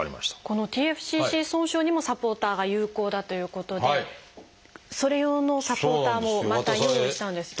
このＴＦＣＣ損傷にもサポーターが有効だということでそれ用のサポーターもまた用意したんです。